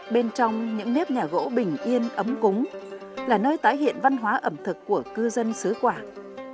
bên trong những nếp nhà gỗ bình yên ấm cúng là nơi tái hiện văn hóa ẩm thực của cư dân xứ quảng